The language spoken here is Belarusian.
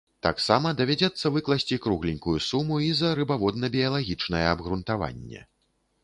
Таксама давядзецца выкласці кругленькую суму і за рыбаводна-біялагічнае абгрунтаванне.